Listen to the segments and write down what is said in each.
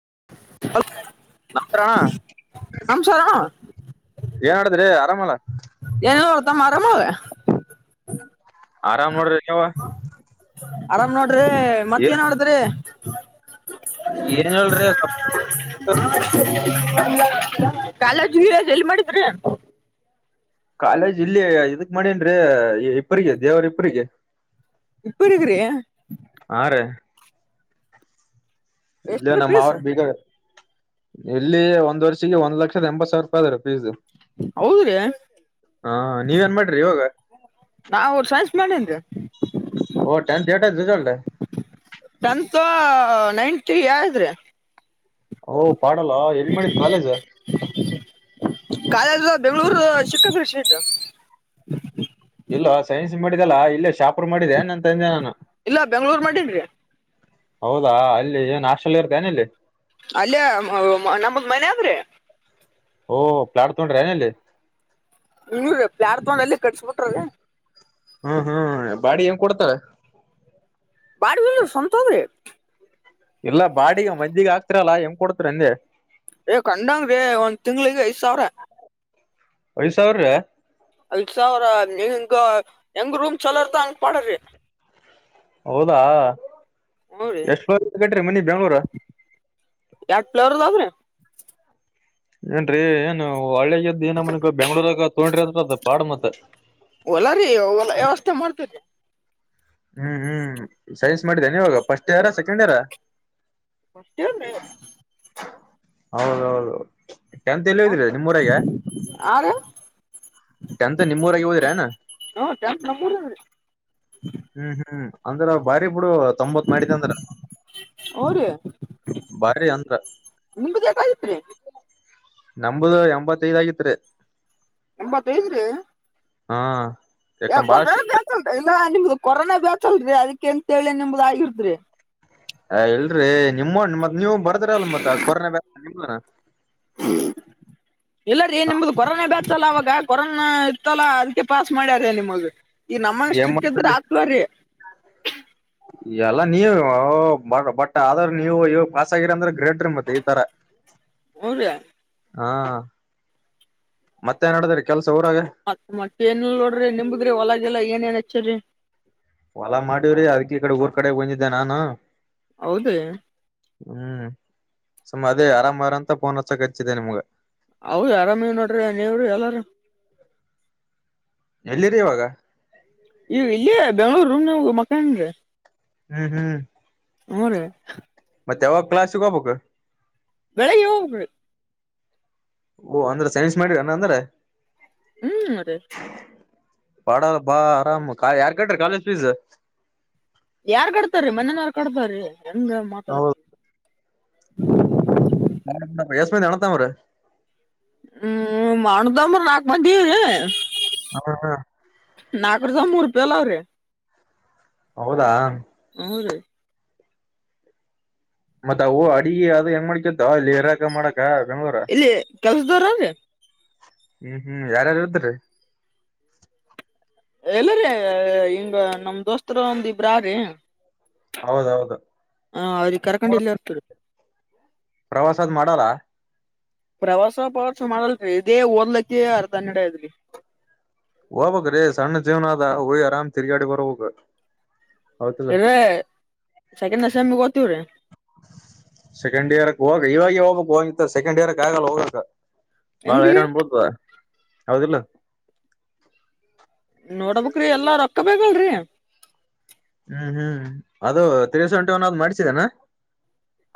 [unintelligible] ನಮಸ್ಕಾರ ಏನ್ ಮಾಡಡಿದ್ರಿ ಆರಾಮಲ್ಲಾ ಏನೋ ತಮ್ಮ ಆರಾಮ ಆರಾಮ್ ನೋಡ್ರಿ ನೀವು ಆರಾಮ್ ನೋಡ್ರಿ ಮತ್ತ್ ಏನ್ ಮಾಡಿದ್ರಿ ಏನ್ ಹೇಳ್ರಿ ಸ್ವಲ್ಪ್ [unintelligible] ಕಾಲೇಜು ಗಿಲೇಜು ಎಲ್ಲಿ ಮಾಡಿದ್ರಿ ಕಾಲೇಜ್ ಇಲ್ಲಿ ಇದಕ್ ಮಾಡೇನ್ರೀ ಇಪಿರ್ಗೆ ದೇವ್ರ ಇಪ್ಪರಿಗೆ [unintelligible] ಇಲ್ಲ ಎಷ್ಟಿದೆ ನಮ್ಮ ಫೀಸ್ ಅವ್ರ ಬೀಗ [inaudible] ಇಲ್ಲಿ ಒಂದ್ ವರ್ಷಿಗೆ ಒಂದ್ ಲಕ್ಷದ ಎಂಬತ್ತು ಸಾವಿರ ರೂಪಾಯಿ ಆದ್ರಿ ಫೀಸ್ ಹೌದ್ರಿ [inaudible] ಹಾ ನೀವೇನ್ ಮಾಡ್ರಿ ಇವಾಗ ನಾವು ಸೈನ್ಸ್ ಮೇಲಿನ್ರೀ [unintelligible] ಹಾ ನೈಟಿ ಹೇಳಿದ್ರಿ [unintelligible] ಎಲ್ಲಿ ಮಾಡಿದ್ ಕಾಲೇಜ್ ಕಾಲೇಜು ಬೆಂಗಳೂರು [unintelligible] ಇಲ್ಲ ಸೈನ್ಸ್ ಮಾಡಿದಲ್ಲ ಇಲ್ಲೇ ಶಾಪುರ್ ಮಾಡಿದೆ ನಂತಂದೆ ನಾನು ಇಲ್ಲ ಬೆಂಗ್ಗಳೂರ್ ಮಾಡಿನ್ರಿ ಹೌದಾ ಅಲ್ಲಿ ಏನ್ ಹಾಸ್ಟೆಲ್ ಇರ್ತೀಯ ಏನ್ ಇಲ್ಲಿ ಅಲ್ಲಯ ನಮಗ್ ಮನೆ ಅದಾದ್ರಿ ಓಹ ಪ್ಲಾಟ್ ತೊಂಡ್ರ ಏನಲ್ಲಿ [unintelligible] ಹ್ಮ್ ಹ್ಮ್ ಬಾಡಿ ಹೆಂಗ್ ಕೊಡ್ತಾರ ಬಾಡಿಗೆ ಅಲ್ಲ ಸ್ವಂತದ್ರಿ ಇಲ್ಲಾ ಬಾಡಿಗೆ ಮಂದಿಗೆ ಆಗ್ತಿರಲ್ಲಾ ಹೆಂಗ್ ಕೊಡ್ತರ ಅಂದೆ ಏ ಕಂಡಂಗ್ರಿ ಒಂದ್ ತಿಂಗ್ಳಿಗೆ ಐದ್ ಸಾವಿರ ಐದು ಸಾವಿರ ರೀ ಐದು ಸಾವ್ರ ಹೆಂಗ ಹೆಂಗ ರೂಮ್ ಚಲೋರ್ದ ಹಂಗ ಪಾಡಿ ಹೌದಾ ಹ್ಞೂ ರೀ [inaudible] ಎಷ್ಟು ವರ್ಷ ಕಟ್ರಿ ಮನಿ ಬೆಂಗ್ಳೂರ ಎರಡು ಫ್ಲೋರ್ ಏನ್ರೀ ಏನು ಒಳ್ಳೆಗದ್ದ ಏನ ಮನಗ ಬೆಂಗ್ಳೂರಾಗ ತೋಡ್ರಿ ಅದದ ಪಾಡ್ ಮತ್ತ ಹೊಲ ರೀ ಹೊಲ ವ್ಯವಸ್ಥೆ ಮಾಡ್ತೇರಿ ಹ್ಮ್ ಹ್ಮ್ ಸೈನ್ಸ್ ಮಾಡಿದ್ದನೆ ಇವಾಗ ಫಸ್ಟ್ ಇಯರಾ ಸೆಕೆಂಡ್ ಇಯರ ಮಷ್ಟ ಹೌದೌದು ಎಟತ್ ಎಲ್ಲ ಇದ್ದೀರ ನಿಮ್ಮೂರಗೆ ಆರ ಎಂತ ನಿಮ್ಮೂರಾಗಿದ್ರನೆ ಹ್ಮ ಟೆಂತ್ ನಮ್ಮೂರ ಹ್ಮ್ ಹ್ಮ್ ಅಂದ್ರ ಬಾರಿ ಬಿುಡು ತೊಂಬತ್ ಮಾಡಿದ ಅಂದ್ರ ಬಾರಿ ಅಂದ್ರ ನಿಮಗೆ ಯಾಕಾಗಿತ್ರಿ ನಂಬದು ಎಂಬತ್ತೈದ್ ಆಗಿತ್ ರೀ ಎಂಬತ್ತಐದ್ರೀ ಹಾ ಯಾಕ ಬಾಳ ಕೊಲ್ಟ ಇಲ್ಲ ನಿಮ್ದು ಕೊರೋನಾ ಬ್ಯಾತ್ಲ್ರಿ ಅದಕ್ಕೆ ಅಂತೇಳಿ ನಿಂಬುದ ಆಗಿರ್ದ್ರಿ ಹ ಇಲ್ರಿ ನಿಮ್ಮ ಮತ್ ನೀವ್ ಬರ್ದ್ರ ಅಲ್ ಮತ್ತ ಕೊರೋನಾ ಬ ನಿ ಹ ಇಲ್ಲ ರೀ ನಿಮ್ದು ಕೊರೋನಾ ಬ್ಯಾತಲ್ಲ ಅವಾಗ ಕೊರೋನಾ ಇತ್ತಲ್ಲ ಪಾಸ್ ಮಾಡ್ಯಾರ ನಿಮಗ್ ಈ ಏನ್ ನಮ್ಮಷ್ಟಕ್ಕ ಇದ್ರ ಮಾಡ್ತರಿ ಆಗ್ಕ್ವ ರೀ ಎಲ್ಲ ನೀವು ಬಟ್ ಆದ್ರ ನೀವು ಇವ ಪಾಸ್ ಆಗಿರಂದ್ರೆ ಗ್ರೇಟ್ರ ಮತ್ತೆ ಈ ಇತರ ಹಾ ಹಾ ಮತ್ತೆ ಏನ್ಡದ್ರ ಕೆಲ್ಸ ಊರಾಗ ಮತ್ತ ಮತ್ತ ಏನಲ್ ನೋಡ್ರಿ ನಿಮಗ್ರಿ ಹೊಲಗೆಲ್ಲಾ ಏನ್ ಏನ್ ಹೆಚ್ಚ್ರರಿ ಹೊಲಾ ಮಾಡೀವ್ರಿ ಅದ್ ಈ ಕಡೆ ಊರ್ ಕಡೆಗೆ ಬಂದಿದ್ದೆ ನಾನು ಹೌದ ಸುಮ್ಮ ಅದೇ ಆರಾಮ್ರ ಅಂತ ಪಫೋನ್ ಹತ್ತ ಕಚ್ಚಿದೆ ನಿಮ್ಗ ಹೌದ ಆರಾಮ ನೋಡ್ರಿ ನೀವ್ರ ಎಲ್ಲಾರು ಎಲ್ಲಿರಿ ಇವಾಗ ಈ ಇಲ್ಲಿ ಬೆಂಗ್ಳೂರ್ಮ್ ನ ಮಕ್ಕನ್ಏನ್ ಹ್ಮ್ ಹ್ಮ್ [inaudible] ಮತ್ತವಾಗ ಕ್ಲಸ್ ಶಗಬೇಕಬೇಕ ಬೆಳ ಯೋಗೋಗ ಓ ಅಂದ್ರ ಸೈನ್ಸ್ ಮಾಡಿರಣ ಅಂದ್ರೆ ಹ್ಮ್ ಅದೇ ಪಾಡ ಬಾ ಆರಾಮ ಯಾರ್ ಕಟ್ರಿ ಕಾಲೇಜ್ ಫೀಸ್ ಯಾರ್ ಕಡ್ತಾರೀ ಮನನ ಯಾರ್ ಕಡ್ತಾರಿ ಹೆಂಗ ಮಾತಾಡದ ನ ಯಸ್ನ್ ನಣತ ಅವ್ರ ಹ್ಮ್ ಮಾಡದಮ್ಮ್ರ ನಾಲ್ಕ ಮಂದೀ ನಾಕರ್ ಜ ಮೂರು ರೂಪಾಯಿಲ್ಲ ಅವ್ರೆ ಹೌದಾ [inaudible] ಮತ್ತತ್ ಅವು ಅಡಗ ಅದು ಹೆಂಗ ಮಾಡಕದ ಅಲ್ಲಿ ಇರಾಕ ಮಾಡಕ ಬೆಂಗ್ಗಳೂರ ಕೆಸ್ದರೆ ಅವೇ ಹ್ಮ್ ಹ್ಮ್ ಯಾರಾರುದ್ರೀರೇ ಎಲ್ಲರಿ ಹಿಂಗ ನಮ ದೋಸ್ತರ ಒಂದ ಇಬ್ರ್ರೀ ಹ ಹೌದೌದು ಅವ್ರಿಗೆ ಕರ್ಕೊಂಡು ಇಲ್ಲ ಇರ್ತದೆ. ಪ್ರವಾಸದ್ ಮಾಡಲ್ಲ. ಪ್ರವಾಸ ಪ್ರವಾಸ ಮಾಡಲ್ರಿ ಇದೇ ಓದ್ಲಕ್ಕ ಅರ್ಧನ್ನಡ ದರಿ. ಹೋಗಬೇಕ್ರಿ ಸಣ್ಣ ಜೀವನ ಆದ ಆರಾಮ ತಿರಿಗಾಡೆ ಬರಬಕ. ಇರ ಸೆಕೆ ನಾ ಸೆಮ್ಮಿಗ್ ಓದ್ತಿವ್ರಿ. ಸೆಕೆಂಡ್ ಇಯರ್ಕ್ ಹೋಗ ಇವಾಗಿಗ ಹೋಗ್ಬೇಕಕ್ ಹೋಗಿತ್ತ ಸೆಕೆಂಡ್ ಇಯರ್ಕ್ ಆಗಲ್ಲ ಹೋಗಕ್. ಬಾಳ ಹೆಂಗ್ರಿ ಹೈರಾಣಬಡದು ಹೌದಿಲ್ಲ. ನೋಡ್ಬಕರಿ ಎಲ್ಲಾ ರೊಕ್ಕ ಬೇಕಲ್ರಿ. ಹ್ಮ್ ಹ್ಮ್ ಅದು ತಿಸ ಸೆವೆಂಟಿವನ ಆದ ಮಾಡಿಸ್ಡಿ ಎನ್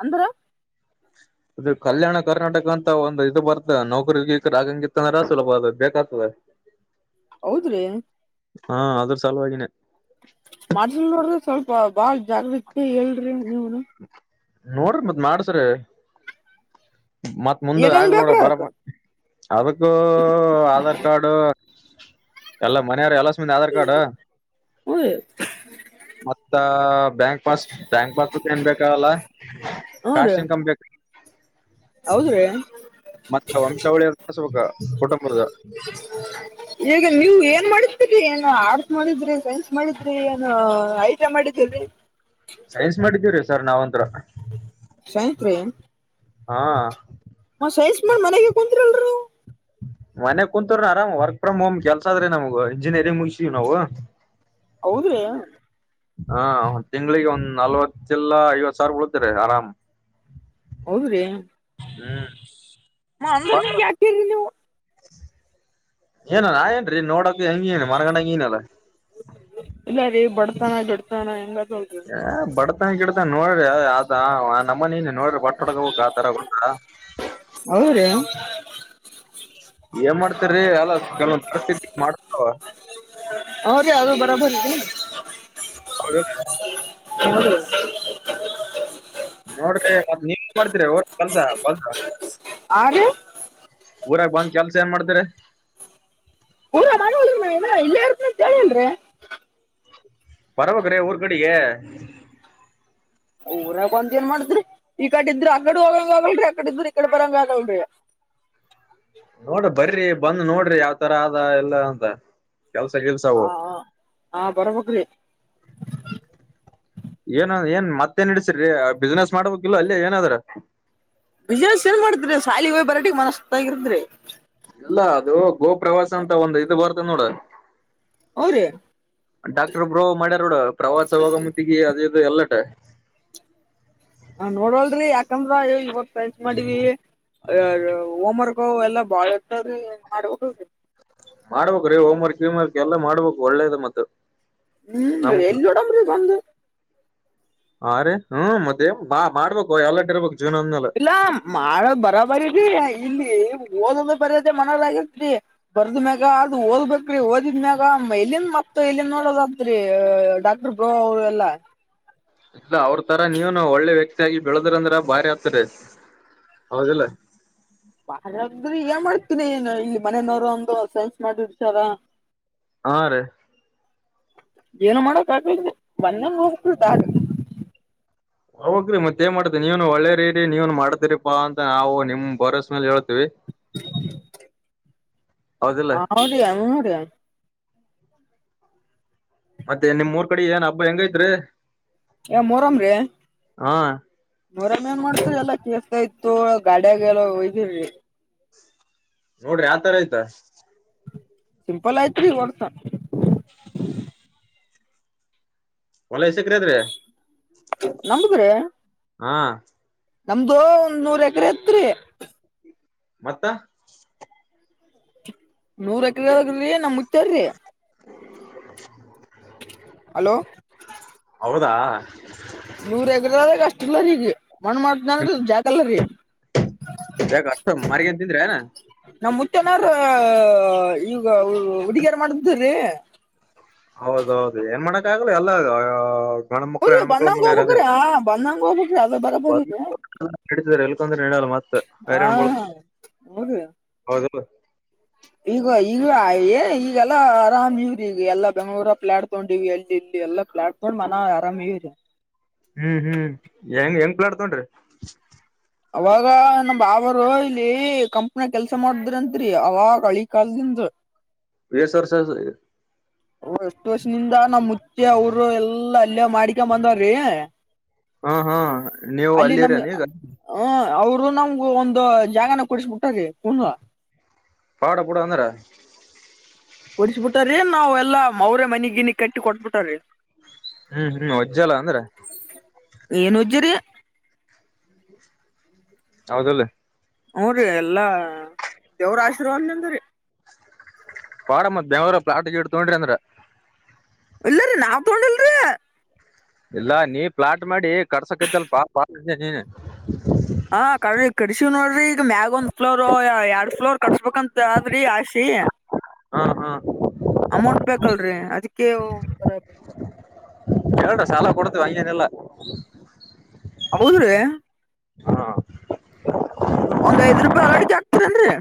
ಅಂದರ [inaudible] ಅದು ಕಲ್ಯಾಣ ಕರ್ನಾಟಕ ಅಂತ ಒಂದು ಇದು ಬರ್ತ ನೌಕರಿ ಗಿಕ್ರಿ ಆಗಂಗಿತ್ತಂದ್ರ ಸುಲಭ ಅ ಬೇಕತದ. [inaudible] ಹೌದ್ರಿ. ಹಾ ಅದ್ರ ಸಲುವಾಗಿನೆ ಮಾಡಸಲ್ ನೋಡ್ರಿ ಸ್ವಲ್ಪ ಬಾಳ್ ಜಾಗ್ರತಿ ಹೇಳ್ರಿ ನೀವನು. ನೋಡ್ರಿ ಮತ್ ಮಾಡಸ್ರಿ ಮತ್ತ್ ಮುಂದ ಏನೇನ್ ಆಗ್ಲ ನೋಡ ಬೇಕ್ರಿ ಅದಕ್ಕ ಬರಕನ. ಅದಕ್ಕೂ ಆಧಾರ್ ಕಾರ್ಡು ಎಲ್ಲ ಮನೆಯವರು ಎಲ್ಲ ಆಧಾರ್ ಕಾರ್ಡ್. ಹ್ಞೂ ರೀ ಮತ್ತ ಬ್ಯಾಂಕ್ ಪಾಸ್ ಬ್ಯಾಂಕ್ ಪಾಸ್ ಏನ್ ಬೇಕಾಗಲ್ಲ ಹಾ ರೀ ಕಾಸ್ಟ ಇನ್ಕಮ್ ಬೇಕ. ಹೌದ್ರಿ ಮತ್ತೆ ವಂಶಾವಳಿ ಬಸ್ಬೇಕ ಕುಟುಂಬದ. [unintelligible] ಏನ್ ಮಾಡಿಸತೀರಿ ಏನ ಆರ್ಟ್ಸ್ ಮಾಡಿದ್ರಿ ಸೈನ್ಸ್ ಮಾಡಿದ್ರಿ ಏನ ಆಯ್ತ. [unintelligible] ಸೈನ್ಸ್ ಮಾಡಿದ್ದೀವ್ರಿ ಸರ್ ನಾವುಂತರ ಸೈನ್ಸ್ ರಿ. ಹಾ. ಮ್ಮನ್ ಮನೆಗೆ ಕುಂತ್ರೆ ಅಲ್ಲರಿ ನೀವಾ. ಮನೆ ಕುತ್ರ ಆರಾಮ್ ವರ್ಕ್ ಫ್ರಮ್ ಹೋಮ್ ಕೆಲ್ಸ ಆದ್ರೆ ನಮಗ ಇಂಜಿನಿಯರಿಂಗ್ ಮುಗಸಿವ್ ನಾವು. ಹೌದ್ರಿ. ಹಾ ತಿಂಗಳಿಗೆ ಒಂದ್ ನಲ್ವತ್ತಲ್ಲಾ ಐವತ್ ಸಾವಿರ ಉಳತ್ರ ಆರಾಮ. ಹೌದ್ರಿ. ಹ್ಮ್. ಹ ಅಂದ ನಿಗೆ ಯಾಕರಿ ನೀವು. ಏನ ಏನ್ರೀ ನೋಡಕ್ ಹೆಂಗನು ಮರಗಣ ಹೆಂಗನಲ್ಲ. ಇಲ್ಲ [unintelligible] ಬಡತನ ಗಿಡತಾನ ನೋಡ್ರಿ ಅದ ನಮ್ಮನನ್ ನೋಡ್ರಿ ಬಟ್ ಹೌದ್ರಿ [unintelligible] ಏನ್ ಮಾಡ್ತಾರೀ ಎಲ್ಲ ಕೆಲವೊಂದ ಪರಿಸ್ಥಿತಿ ಮಾಡ್ತವ. [unintelligible] [inaudible] ಹೌದ್ರಿ. ನೋಡ್ರಿ ಮತ್ತ್ ನೀವ ಮಾಡ್ತರಿ ಓ ಕೆಲ್ಸಾ ಬಲ್ಸ ಆರಿ. ಊರಾಗ ಬಂದ ಕೆಲ್ಸ ಏನ್ ಮಾಡ್ತಾರೆ. ಊರ ಮಾಡಿಲ್ರಿ ನಾನ ಇಲ್ಲೇ ಇರ್ತ ಅಂತ ಹೇಳಿರಿ. ಬರಬೇಕ್ರಿ ಊರ್ ಕಡೆಗೆ. ಊರಾಗ ಬಂದ ಏನ್ ಮಾಡಿದ್ರಿ ಈ ಕಡೆ ಇದ್ರ ಆಗಡೆ ಹೋಗಂಗ ಆಗಲ್ರರಿ ಆಕಡೆ ಇದ್ರ ಈ ಕಡೆ ಬರಂಗ ಆಗಲ್ರರಿ. ನೋಡ್ರಿ ಬರಿ ಬಂದ ನೋಡ್ರಿ ಯಾವ್ತರ ಆದ ಎಲ್ಲ ಅಂತ. ಕೆಲ್ಸ ಗಿಲ್ಸ ಅವು. ಆ ಆ ಬರ್ಬಕ್ರಿ ಏನ್ ಏನ್ ಮತ್ತೇನ್ ಇಡಸರಿ ಬಿಸ್ನೆಸ್ ಮಾಡ್ಬೇಕ ಇಲ್ಲ ಅಲ್ಲಿ ಏನಾದ್ರ. ಬಿಜನೇಶ ಏನ್ ಮಾಡ್ತೀರಿ ರ ಶಾಲಿ ಹೋಗಿ ಬರಾಟ ಮನ ಸುಸ್ತ ಆಗಿರ್ತರಿ. ಇಲ್ಲ ಅದು ಗೋ ಪ್ರ್ರವಾಸ ಅಂತ ಒಂದ ಇದು ಬರ್ತದೆ ನೋಡ. ಹೌದ್ರಿ ಡಾಕ್ಟ್ರ ಬ್ರೋ ಮಾಡ್ಯಾರ ನೋಡ ಪ್ರವಾಸ ಹೋಗ ಮತ್ತಿಗೆ ಅದ ಇ ಎಲ್ಲಟ. ನಾ ನೋಡವಲ್ರೀ ಯಾಕಂದ್ರ ಇವಾಗ ಸೈನ್ಸ್ ಮಾಡಿವ ಹೋಮ್ವರ್ಕ್. ಹಗ ಎಲ್ಲಾ ಬಾಳ ಹತ್ತದ್ರ ಏನ್ ಮಾಡ್ಬಕ. ಮಾಡ್ಬೇಕ ರೀ ಹೋಮ್ ವರ್ಕ್ ವೀಮ್ ವರ್ಕ್ ಎಲ್ಲ ಮಾಡ್ಬೇಕು ಒಳ್ಳೇದ ಮತ್ತ. ಹ್ಮ್ ನಮ್ ಎಲ್ಲೂಡ ಮುರಗ ಅಂದು. ಆ ರ ಹ್ಮ್ ಮತ್ತೆ ಬಾ ಮಾಡ್ಬೇಕು ಎಲ್ಲಡ್ ಇರ್ಬೇಕ [unintelligible] ಇಲ್ಲ ಮಾಡ ಬರಬರೀ ಇಲ್ಲಿ [unintelligible] ಓದದ್ರ ಬರ್ಯದೇ ಮನದ ಆಗತ್ರಿ ಬರ್ದ ಮ್ಯಾಗ ಅದ್ ಓದ್ಬೇಕ್ರಿ ಓದಿದ್ಮ್ಯಾಗ ಇಲ್ಲಿಂದ [unintelligible] ಮ ಇಲ್ಲಿ ನೋಡೋದಾದ್ರಿ ಡಾಕ್ಟರ್ ಬ ಅವರು ಎಲ್ಲಾ [unintelligible] ಅವ್ರ ತರ ನೀವನು ಒಳ್ಳೆ ವ್ಯಕ್ತಿಯಾಗಿ ಬೆಳೆದ್ರಂದ್ರ ಭಾರಿ ಆತದೆ [unintelligible] ಹೌದಲ್ಲ [unintelligible] ಬಾಳದ್ರಿ ಏನ್ ಮಾಡ್ತೀನಿನು ಇಲ್ಲಿ ಮನನವರು ಒಂದು ಸೆನ್ಸ್ ಮಾಡಿಷಾರ [unintelligible] ಹಾ ರೀ [unintelligible] ಏನು ಮಾಡಕ್ ಆಗ್ ಬನ್ನ ಹೋಗಬ [unintelligible] ಹೋಗ್ರಿ ಮತ್ತೇನ್ ಮಾಡ್ತ ನೀವನು ಒಳ್ಳೇರಿ ರರಿ ನೀವನು ಮಾಡ್ತೀರಿಪಾ ಅಂತ ನಾವು ನಿಮ್ ಬರಸ ಮೇ ಹೇಳವಿ [unintelligible] ಹೌದಲ್ಲ [unintelligible] ಹೌದ್ರಿ ಹೂನ್ರಿ ಮತ್ತೆ ನಿಮ್ರ್ ಕಡೆ ಏನ್ ಹಬ್ಬಾ ಹೆಂಗೈಐತ್ರಿ [unintelligible] ಮೊರಂ [unintelligible] ಏನ್ ಮಾಡ್ತ್ರ ಎಲ್ಲ ಕಸ್ತ ಐತ್ ತ ಗಾಡಿಯಾಗ ಎಲ್ಲ ಒಯ್ದೀ [unintelligible] ನೋಡ್ರಿ ಆತರ ಆಯ್ತಾ [unintelligible] ಸಿಂಪಲ್ ಆಯ್ತ್ [unintelligible] ಹೊಡ್ತ ಹೊಲ ಎಸಕರೆ [unintelligible] ದ್ರೆ ನಂಬಕರ [unintelligible] ಹಾ [unintelligible] ನಮ್ದು ಒಂದ್ ನೂರ್ ಎಕರೆ ತ್ರಿ [unintelligible] ಮತ್ತ [unintelligible] ನೂರ ಎಕರೆೋಗ್ರಿ ನಮ್ ಮುುತ್ತಾರೀ [unintelligible] [unintelligible] ಹಲೋ [unintelligible] ಪ್ಪ [unintelligible] ನೂರ ಗದ ಕಷ್ಟಲ್ಲಗ [unintelligible] ಮಣ ಮಾಡ್ದನ ಜಾಕಲ್ಲೀ ಯಾಕ ಅಷ್ಟ ಮಾರಿಗಂಡ ತಿಂದ್ರಿ ಏನ ನಮ್ಮ [unintelligible] ನಾರ ಈಗ ಉಡುಗಿಯರ ಮಾಡತ್ರೀ [unintelligible] ಹೌದೌದು ಏನ್ ಮಣಕ್ಕ ಆಗಲ್ಲ ಎಲ್ಲ [unintelligible] ಹಣ ಮಕ್ಕಳು ಹೂರಿ ಬಂದಂಗ ಎಣಮಕ್ಕಳಮ್ಮ ಇರದ ಹೋಗ್ಬೇಕ್ರಿ ಹಾ ಬಂದಂಗ ಹೋಗ್ಬೇಕ್ರಿ ಅದ ಅ ಅ ಬರಬರಿರಿ [unintelligible] [unintelligible] ಹೇಳ ಮ ಹಾ ಹೋಗದ [unintelligible] ಅದಲ್ಲ [unintelligible] ಈಗ ಈಗ ಏ ಈಗೆಲ್ಲಾ ಆರಾಮ್ ಇವ್ರಿ ಈಗ ಎಲ್ಲಾ ಬೆಂಗಳೂರಪ್ಲ ಆಡ್ಕೊಂಡಿವ ಎಲ್ಲ್ಲಿ [unintelligible] ಎಲ್ಲ ಪ್ಲಾಟ್ಫಾರ್ಮ್ ಮನ ಆರಾಮಾಗಿದೆ [unintelligible] ಹೆಂಗ ಹೆಂಗ್ ಪ್ಲಾಡ್ತೊಂಡ್ರಿ [unintelligible] ಅವಾಗ ನಮ ಬಾವರು ಇಲ್ಲಿ ಕಂಪ್ನಿ ಕೆಲ್ಸ ಮಾಡಿದ್ರಂರಿ ಅವಾಗಳಿ ಕಾಲದಿಂದ [unintelligible] ಹಂದು [unintelligible] ಏಸ್ ವಸರ್ಷ [unintelligible] ಎಷ್ಟು ಎಲ್ಲ ಮಾಡ್ಕೊ ಬಂದವ್ರಿ [unintelligible] ಹಾ ಹಾ ನೀವು ಅಲ್ಲಿರ ನೀಗ [unintelligible] ನಮಗು ಒಂದು ಜಾಗನ ಕೊಡಸ್ಬಿಟ್ಟೀ [unintelligible] ಪಾಡ ಪುಡ ಅಂದ್ರ [unintelligible] ಕೊಡಸ್ಬಿಟ್ಟಾರೀ ನಾವ್ ಎಲ್ಲಾ ಅವರ ಮನಿ ಗಿನಿ ಕಟ್ಟಿ ಕೊಟ್ಬಿಟಾರೀ [unintelligible] ಹ್ಮ್ ಹ್ಮ್ ಒಜ್ಜಲ ಅಂದ್ರೆ [unintelligible] ಏನ್ ಉಜ್ಜರಿ [unintelligible] ಹೌದಲ್ಲ [unintelligible] ಹ್ಮ್ ರಿ ಎಲ್ಲಾ [unintelligible] ದೇವ್ರ ಆಶೀರ್ವಾದಂತ್ರೀ ಪಾಡ ಮ ದೇವರ ಪ್ಲಾಟ್ ಗಿಡ್ ತಗೊಂಡ್ರಿ ಅಂದ್ರ [unintelligible] ಇಲ್ಲರಿೀ ನಾ ತೋೊಂಡ ಇಲ್ರಿೀ ಇಲ್ಲಾ ನೀ ಪ್ಲಾಟ್ ಮಾಡಿ ಕಡ್ಸಕೈತ್ಲ್ ಕಡಸೀವ್ ನೋಡ್ರಿ ಈಗ ಮ್ಯಾಗ ಒಂದ್ ಫ್ಲೋರ್ ಎರಡ್ ಫ್ಲೋರ್ ಕಟ್ಸ್ಬೇಕಂತ ಆದ್ರಿ ಆಶಿ ಹಾ ಹಾ ಅಮೌಂಟ್ ಬೇಕಲ್ರಿ ಅದಕ್ಕೆ ಒಥರ ಬ ಹೇಳ್ರ ಶಾಲ ಕೊಡತ್ವಿ ಅಂಗೇನೆಲ್ಲ ಹೌದ್ರೀ ಹಾ ಒಂದ್ ಐ್ ರೂಪಾಯಿ ಅಲಡಿಗೆ ಆಗ್ತರೇನ್ರರಿ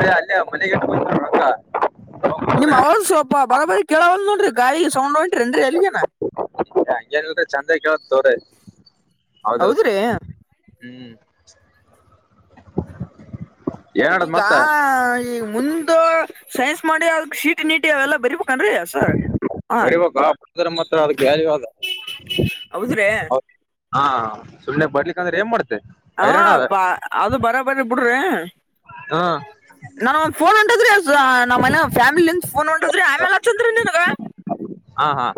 ನ್ರೀ ಅಲ್ಲೇ ಮನೆಗೆಡಕ [unintelligible] ನಿಮ್ ಅವರು ಸ್ವಲ್ಪ ಬರಬರಿ ಕೇಳವಲ್ ನೋಡ್ರಿ ಗಾಯಿ ಸೌಟ್ರೆನ್ ರಲಿ ಹಂಗೇನಿಲ್ರಿ ಚಂದ ಕೇಳತ್ ತೋರಿ ಹೌದಲ್ ಹೌದ್ರೀ ಹ್ಮ್ ಏನಾಡದ್ ಈಗ ಮತ್ತ ಈ ಮುಂದ ಸೈನ್ಸ್ ಮಾಡಿ ಅದ ಶೀಟ್ ನೀಟ್ಟ ನೀಟ ಅವೆಲ್ಲ ಬರಿಬೇಕಂದ್ರೆ ಸ ಹ ಮಾತ್ರ ಅ್ಯಾಲವ ಹೌದ್ರಿ ಹಾ ಸುಮನೆ ಬರ್ಲಿ ಅಂದ್ರೆ ಏನ್ ಮಾಡ್ತ ಹಾ ಬಾ ಅದು ಬರ ಬರಿ ಬಿಡ್ರಿ ಹ್ಮ್ ನಾ ೋ ಹೊಂಟದ್ರೀ ನಮ್ಮ ಮನೆ ಫ್ಯಾಮಿಲಿ ಫೋನ್ ಹೊಂಟದ್ರಿ ಆಮೇಲ್ ಹಚ್ಚತ್್ರೀ ನಿನ್ಗ ಹಾ ಹಾ